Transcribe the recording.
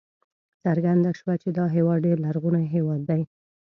څرګنده شوه چې دا هېواد ډېر لرغونی هېواد دی.